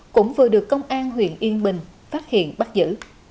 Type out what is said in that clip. cũng vừa được công an huyện yên bình phát hiện bắt giữ